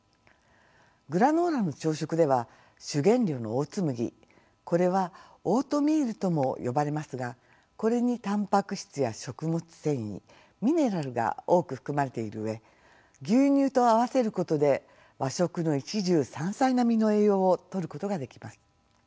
グラノーラの朝食では主原料のオーツ麦これはオートミールとも呼ばれますがこれにたんぱく質や食物繊維ミネラルが多く含まれている上牛乳と合わせることで和食の一汁三菜並みの栄養をとることができます。